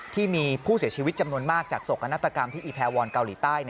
ที่มีผู้เสียชีวิตจำนวนมากจากโศกนาฏกรรมที่อีแทวรเกาหลีใต้